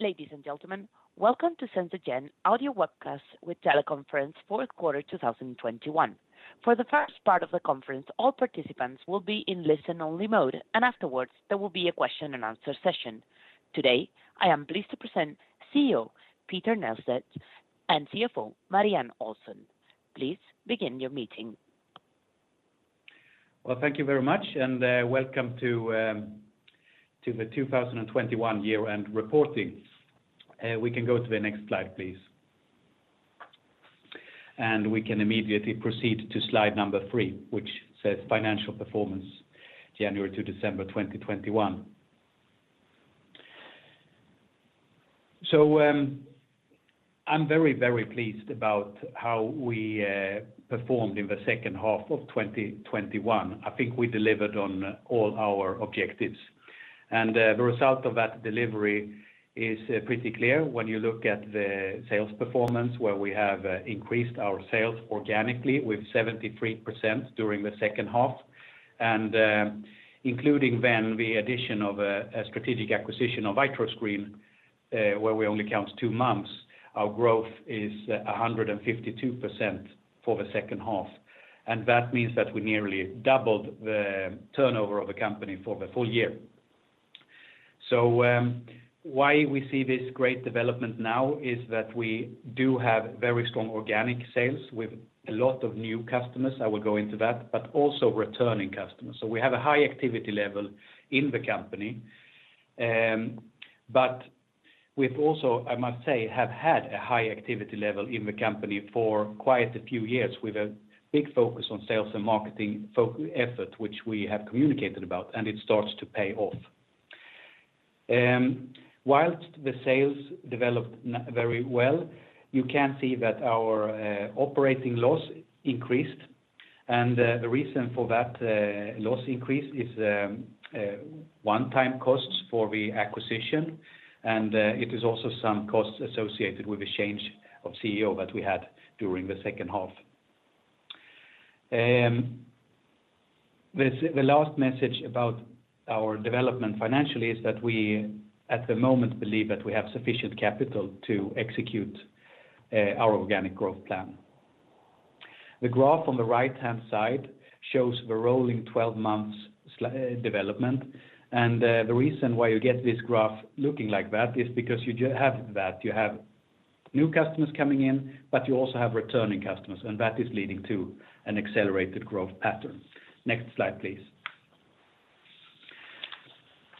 Ladies and gentlemen, welcome to SenzaGen Audio Webcast with Teleconference fourth quarter 2021. For the first part of the conference, all participants will be in listen-only mode, and afterwards, there will be a question and answer session. Today, I am pleased to present CEO Peter Nählstedt and CFO Marianne Olsson. Please begin your meeting. Well, thank you very much, and welcome to the 2021 year-end reporting. We can go to the next slide, please. We can immediately proceed to slide three, which says Financial Performance January to December 2021. I'm very, very pleased about how we performed in the second half of 2021. I think we delivered on all our objectives. The result of that delivery is pretty clear when you look at the sales performance, where we have increased our sales organically with 73% during the second half. Including then the addition of a strategic acquisition of VitroScreen, where we only count two months, our growth is 152% for the second half. That means that we nearly doubled the turnover of the company for the full year. Why we see this great development now is that we do have very strong organic sales with a lot of new customers, I will go into that, but also returning customers. We have a high activity level in the company. But we've also, I must say, have had a high activity level in the company for quite a few years with a big focus on sales and marketing effort, which we have communicated about, and it starts to pay off. While the sales developed very well, you can see that our operating loss increased. The reason for that loss increase is one-time costs for the acquisition, and it is also some costs associated with the change of CEO that we had during the second half. The last message about our development financially is that we, at the moment, believe that we have sufficient capital to execute our organic growth plan. The graph on the right-hand side shows the rolling 12 months development. The reason why you get this graph looking like that is because you have that. You have new customers coming in, but you also have returning customers, and that is leading to an accelerated growth pattern. Next slide, please.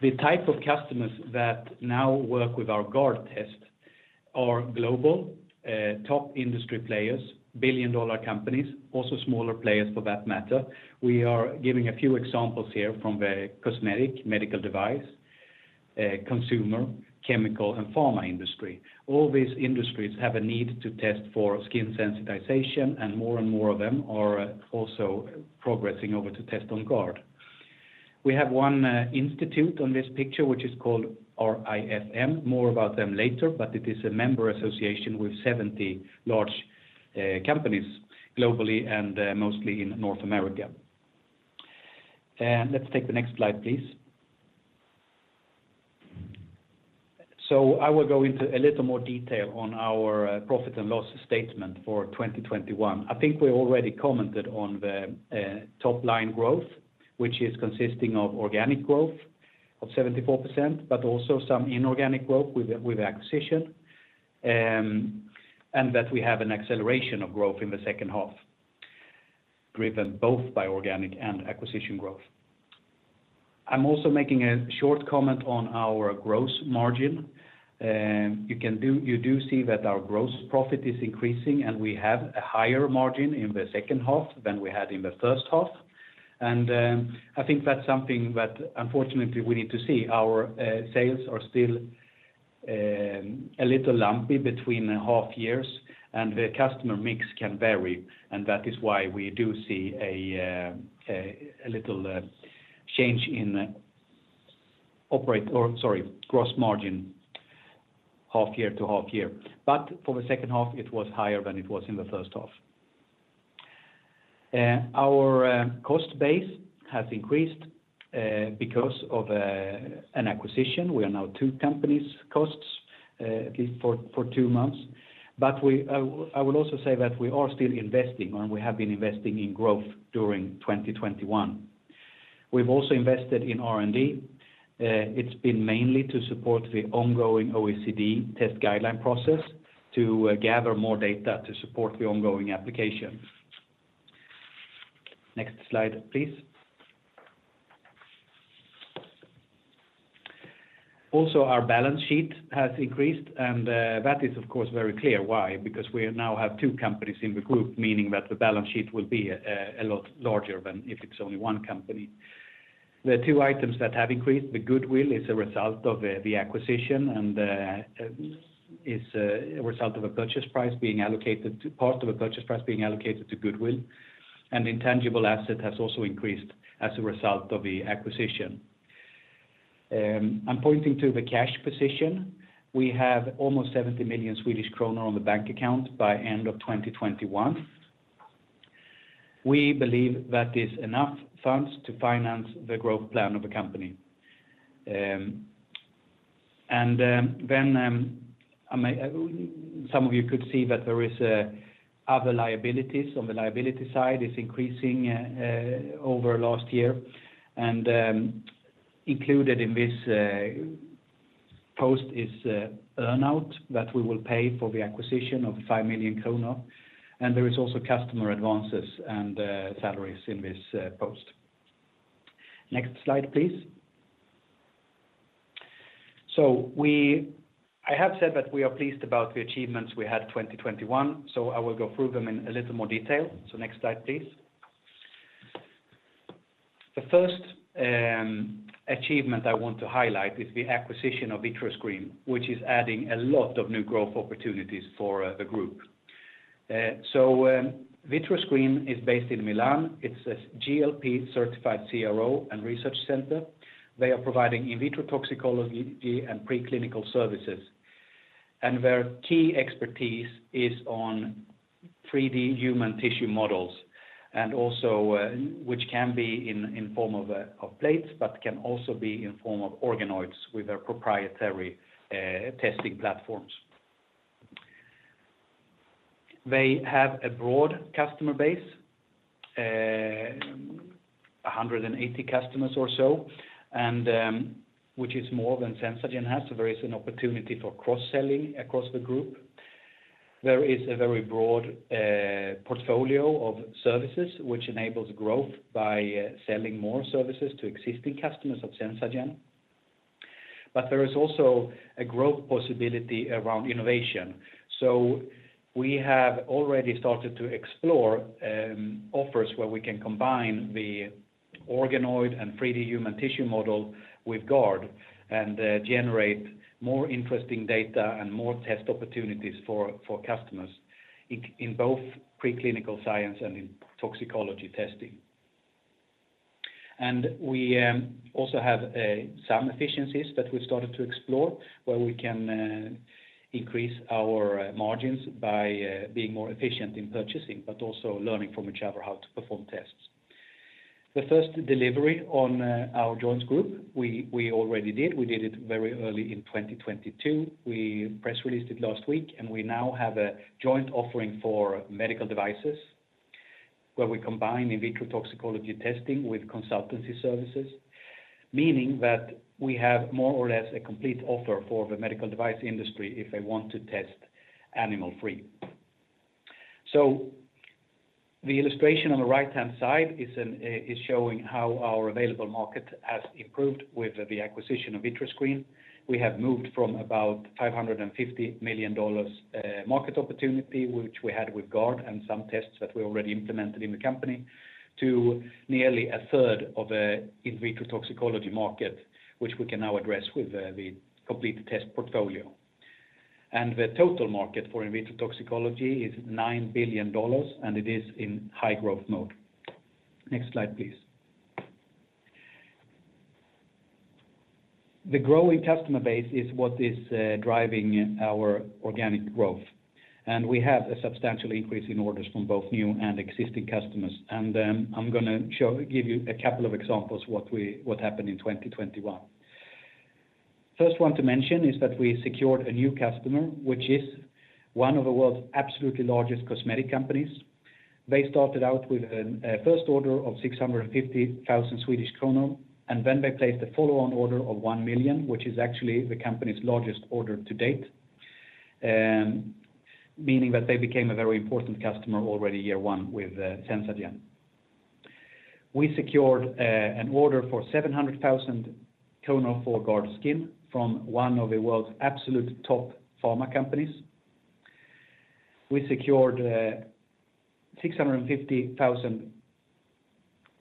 The type of customers that now work with our GARD test are global top industry players, billion-dollar companies, also smaller players for that matter. We are giving a few examples here from the cosmetic, medical device, consumer, chemical, and pharma industry. All these industries have a need to test for skin sensitization, and more and more of them are also progressing over to test on GARD. We have one institute on this picture, which is called RIFM. More about them later, but it is a member association with 70 large companies globally and mostly in North America. Let's take the next slide, please. I will go into a little more detail on our profit and loss statement for 2021. I think we already commented on the top-line growth, which is consisting of organic growth of 74%, but also some inorganic growth with acquisition, and that we have an acceleration of growth in the second half, driven both by organic and acquisition growth. I'm also making a short comment on our gross margin. You do see that our gross profit is increasing, and we have a higher margin in the second half than we had in the first half. I think that's something that unfortunately we need to see. Our sales are still a little lumpy between half years, and the customer mix can vary, and that is why we do see a little change in gross margin half year to half year. For the second half, it was higher than it was in the first half. Our cost base has increased because of an acquisition. We are now two companies' costs, at least for two months. I will also say that we are still investing, and we have been investing in growth during 2021. We've also invested in R&D. It's been mainly to support the ongoing OECD test guideline process to gather more data to support the ongoing application. Next slide, please. Also, our balance sheet has increased, and that is of course very clear why, because we now have two companies in the group, meaning that the balance sheet will be a lot larger than if it's only one company. The two items that have increased, the goodwill is a result of the acquisition and part of a purchase price being allocated to goodwill. Intangible asset has also increased as a result of the acquisition. I'm pointing to the cash position. We have almost 70 million Swedish kronor on the bank account by end of 2021. We believe that is enough funds to finance the growth plan of the company. Some of you could see that there is other liabilities on the liability side is increasing over last year. Included in this post is earn-out that we will pay for the acquisition of 5 million, and there is also customer advances and salaries in this post. Next slide, please. I have said that we are pleased about the achievements we had in 2021, so I will go through them in a little more detail. Next slide, please. The first achievement I want to highlight is the acquisition of VitroScreen, which is adding a lot of new growth opportunities for the group. VitroScreen is based in Milan. It's a GLP-certified CRO and research center. They are providing in vitro toxicology and preclinical services, and their key expertise is on 3D human tissue models, and also which can be in form of plates, but can also be in form of organoids with their proprietary testing platforms. They have a broad customer base, 180 customers or so, and which is more than SenzaGen has. There is an opportunity for cross-selling across the group. There is a very broad portfolio of services which enables growth by selling more services to existing customers of SenzaGen. But there is also a growth possibility around innovation. We have already started to explore offers where we can combine the organoid and 3D human tissue model with GARD and generate more interesting data and more test opportunities for customers in both preclinical science and in toxicology testing. We also have some efficiencies that we've started to explore, where we can increase our margins by being more efficient in purchasing, but also learning from each other how to perform tests. The first delivery on our joint group, we already did. We did it very early in 2022. We press released it last week, and we now have a joint offering for medical devices, where we combine in vitro toxicology testing with consultancy services, meaning that we have more or less a complete offer for the medical device industry if they want to test animal-free. The illustration on the right-hand side is showing how our available market has improved with the acquisition of VitroScreen. We have moved from about $550 million market opportunity, which we had with GARD and some tests that we already implemented in the company, to nearly a third of a in vitro toxicology market, which we can now address with the complete test portfolio. The total market for in vitro toxicology is $9 billion, and it is in high growth mode. Next slide, please. The growing customer base is what is driving our organic growth, and we have a substantial increase in orders from both new and existing customers. I'm gonna give you a couple of examples what happened in 2021. First one to mention is that we secured a new customer, which is one of the world's absolutely largest cosmetic companies. They started out with a first order of 650 thousand Swedish kronor, and then they placed a follow-on order of 1 million, which is actually the company's largest order to date, meaning that they became a very important customer already year one with SenzaGen. We secured an order for 700,000 for GARDskin from one of the world's absolute top pharma companies. We secured a 650,000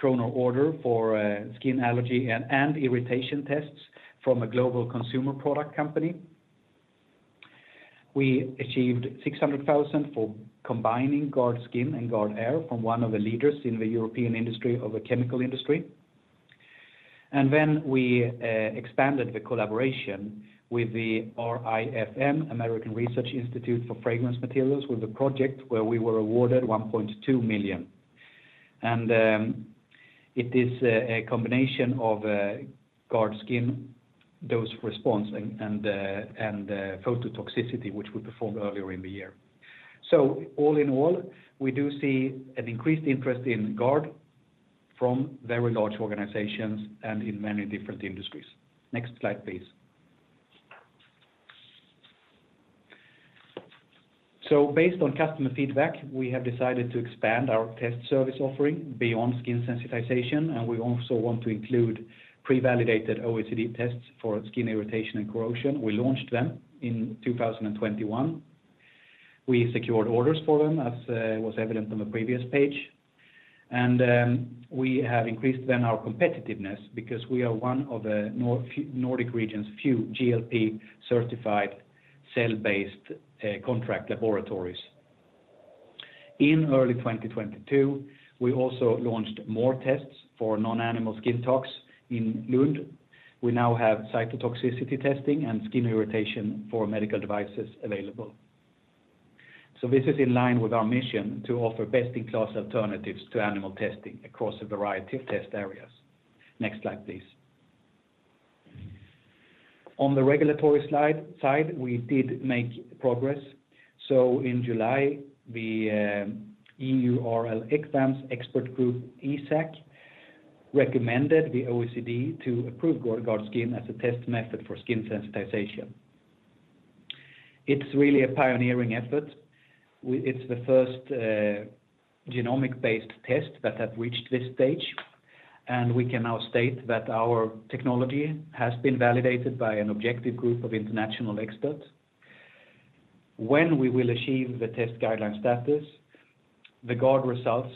kronor order for skin allergy and irritation tests from a global consumer product company. We achieved 600,000 for combining GARDskin and GARDair from one of the leaders in the European industry of the chemical industry. We expanded the collaboration with the RIFM, Research Institute for Fragrance Materials, with a project where we were awarded 1.2 million. It is a combination of GARDskin, dose response, and phototoxicity, which we performed earlier in the year. All in all, we do see an increased interest in GARD from very large organizations and in many different industries. Next slide, please. Based on customer feedback, we have decided to expand our test service offering beyond skin sensitization, and we also want to include pre-validated OECD tests for skin irritation and corrosion. We launched them in 2021. We secured orders for them, as was evident on the previous page. We have increased then our competitiveness because we are one of the Nordic region's few GLP-certified cell-based contract laboratories. In early 2022, we also launched more tests for non-animal skin tox in Lund. We now have cytotoxicity testing and skin irritation for medical devices available. This is in line with our mission to offer best-in-class alternatives to animal testing across a variety of test areas. Next slide, please. On the regulatory slide, we did make progress. In July, the EURL ECVAM's expert group, ESAC, recommended to the OECD to approve our GARDskin as a test method for skin sensitization. It's really a pioneering effort. It's the first genomic-based test that has reached this stage, and we can now state that our technology has been validated by an objective group of international experts. When we will achieve the test guideline status, the GARD results,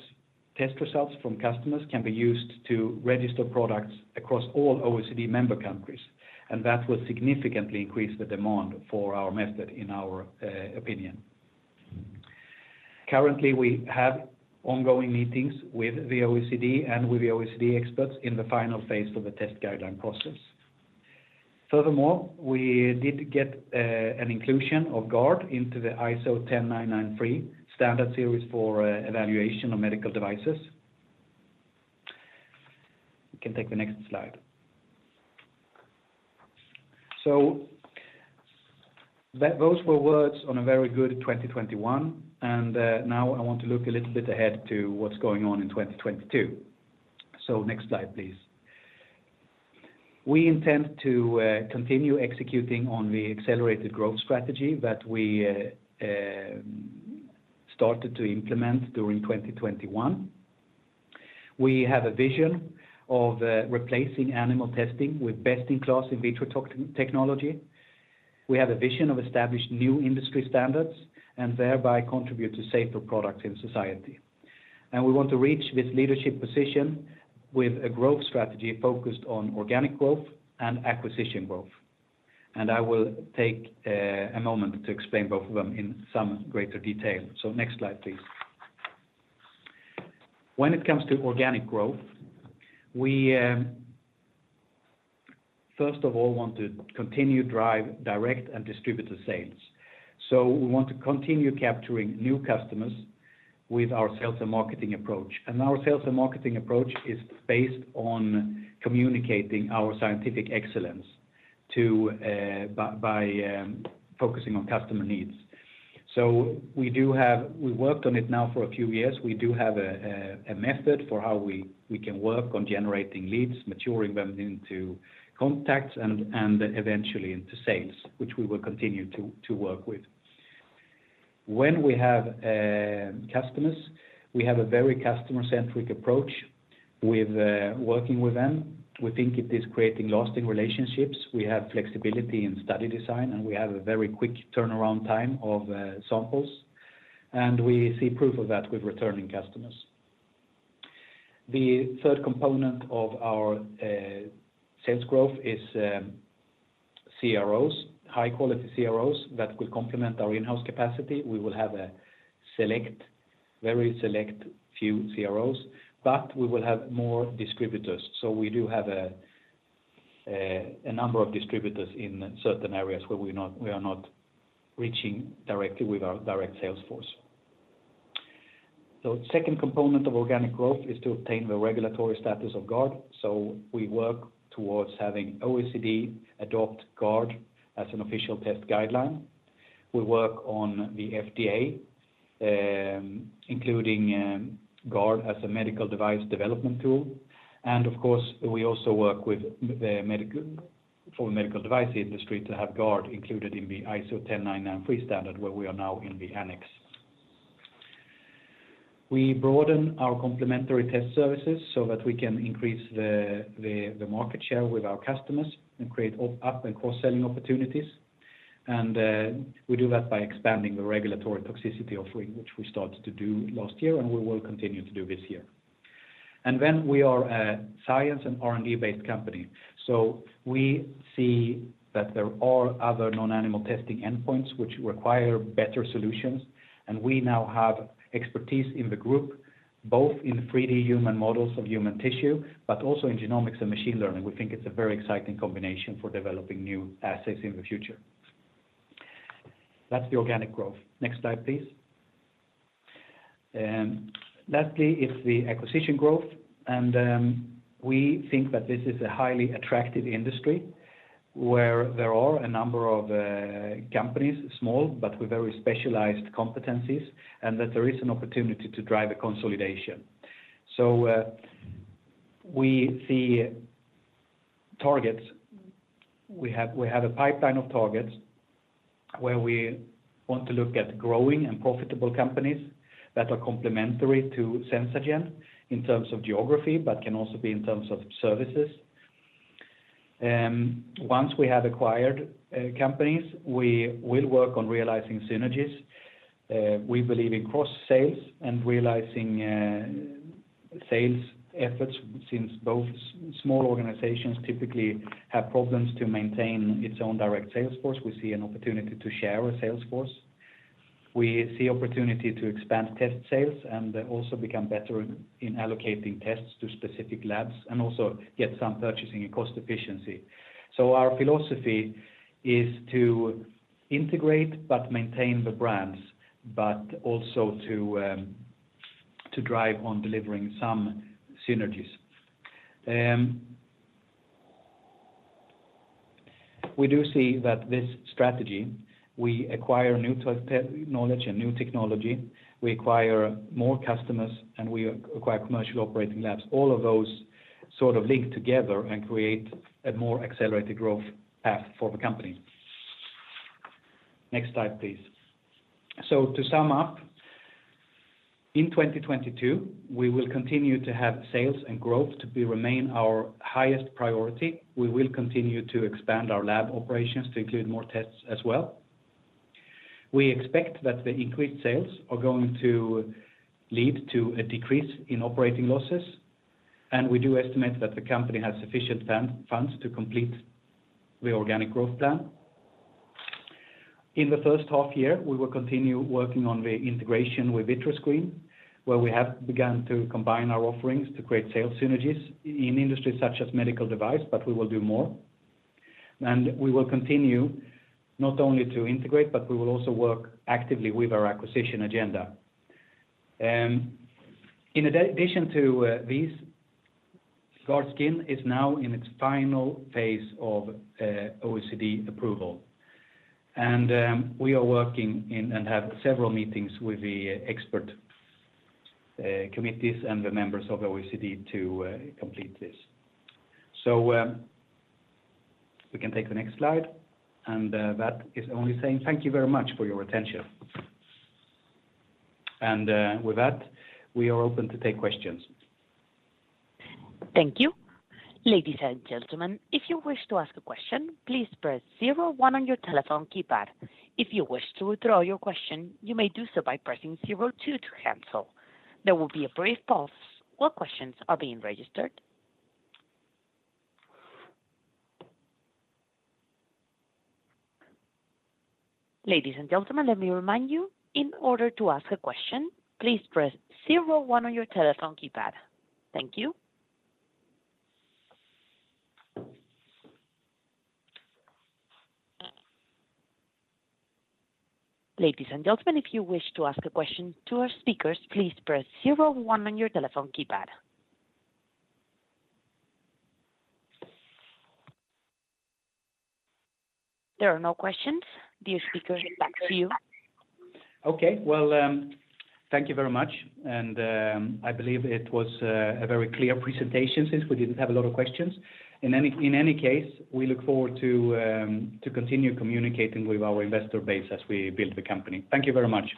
test results from customers can be used to register products across all OECD member countries, and that will significantly increase the demand for our method in our opinion. Currently, we have ongoing meetings with the OECD and with the OECD experts in the final phase of the test guideline process. Furthermore, we did get an inclusion of GARD into the ISO 10993 standard series for evaluation of medical devices. You can take the next slide. Those were words on a very good 2021, and now I want to look a little bit ahead to what's going on in 2022. Next slide, please. We intend to continue executing on the accelerated growth strategy that we started to implement during 2021. We have a vision of replacing animal testing with best-in-class in vitro toxicology. We have a vision of establishing new industry standards and thereby contribute to safer products in society. We want to reach this leadership position with a growth strategy focused on organic growth and acquisition growth. I will take a moment to explain both of them in some greater detail. Next slide, please. When it comes to organic growth, we first of all want to continue to drive direct and distributor sales. We want to continue capturing new customers with our sales and marketing approach. Our sales and marketing approach is based on communicating our scientific excellence by focusing on customer needs. We have worked on it now for a few years. We do have a method for how we can work on generating leads, maturing them into contacts, and eventually into sales, which we will continue to work with. When we have customers, we have a very customer-centric approach with working with them. We think it is creating lasting relationships. We have flexibility in study design, and we have a very quick turnaround time of samples, and we see proof of that with returning customers. The third component of our sales growth is CROs, high-quality CROs that will complement our in-house capacity. We will have a select, very select few CROs, but we will have more distributors. We do have a number of distributors in certain areas where we are not reaching directly with our direct sales force. Second component of organic growth is to obtain the regulatory status of GARD, so we work towards having OECD adopt GARD as an official test guideline. We work on the FDA, including GARD as a Medical Device Development Tool. Of course, we also work with the medical device industry to have GARD included in the ISO 10993 standard, where we are now in the annex. We broaden our complementary test services so that we can increase the market share with our customers and create up- and cross-selling opportunities. We do that by expanding the regulatory toxicity offering, which we started to do last year, and we will continue to do this year. We are a science and R&D-based company, so we see that there are other non-animal testing endpoints which require better solutions, and we now have expertise in the group, both in 3D human models of human tissue, but also in genomics and machine learning. We think it's a very exciting combination for developing new assets in the future. That's the organic growth. Next slide, please. Lastly, it's the acquisition growth, and we think that this is a highly attractive industry where there are a number of companies, small, but with very specialized competencies, and that there is an opportunity to drive a consolidation. We see targets. We have a pipeline of targets where we want to look at growing and profitable companies that are complementary to SenzaGen in terms of geography, but can also be in terms of services. Once we have acquired companies, we will work on realizing synergies. We believe in cross sales and realizing sales efforts, since both small organizations typically have problems to maintain its own direct sales force, we see an opportunity to share a sales force. We see opportunity to expand test sales and also become better in allocating tests to specific labs and also get some purchasing and cost efficiency. Our philosophy is to integrate but maintain the brands, but also to drive on delivering some synergies. We do see that this strategy, we acquire new knowledge and new technology, we acquire more customers, and we acquire commercial operating labs. All of those sort of link together and create a more accelerated growth path for the company. Next slide, please. To sum up, in 2022, we will continue to have sales and growth to remain our highest priority. We will continue to expand our lab operations to include more tests as well. We expect that the increased sales are going to lead to a decrease in operating losses, and we do estimate that the company has sufficient funds to complete the organic growth plan. In the first half year, we will continue working on the integration with VitroScreen, where we have begun to combine our offerings to create sales synergies in industries such as medical device, but we will do more. We will continue not only to integrate, but we will also work actively with our acquisition agenda. In addition to these, GARDskin is now in its final phase of OECD approval. We are working in and have several meetings with the expert committees and the members of OECD to complete this. We can take the next slide, and that is only saying thank you very much for your attention. With that, we are open to take questions. Thank you. Ladies and gentlemen, if you wish to ask a question, please press zero one on your telephone keypad. If you wish to withdraw your question, you may do so by pressing zero two to cancel. There will be a brief pause while questions are being registered. Ladies and gentlemen, let me remind you, in order to ask a question, please press zero one on your telephone keypad. Thank you. Ladies and gentlemen, if you wish to ask a question to our speakers, please press zero one on your telephone keypad. There are no questions. Dear speakers, back to you. Okay. Well, thank you very much. I believe it was a very clear presentation since we didn't have a lot of questions. In any case, we look forward to continue communicating with our investor base as we build the company. Thank you very much.